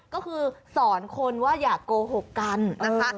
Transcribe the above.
ก็คือสอนคนว่าอย่าโกหกกันนะคะ